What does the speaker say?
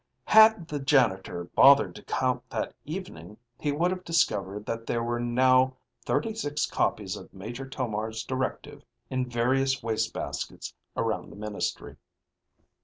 Had the janitor bothered to count that evening, he would have discovered that there were now thirty six copies of Major Tomar's directive in various wastebaskets around the ministry.